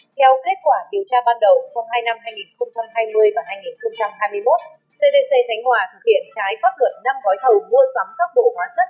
theo kết quả điều tra ban đầu trong hai năm hai nghìn hai mươi và hai nghìn hai mươi một cdc khánh hòa thực hiện trái pháp luật năm gói thầu mua sắm các bộ hóa chất